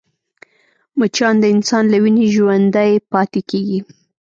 مچان د انسان له وینې ژوندی پاتې کېږي